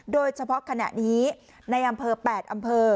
โดยเฉพาะขณะนี้ในอำเภอ๘อำเภอ